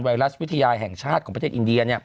ไรัสวิทยาแห่งชาติของประเทศอินเดีย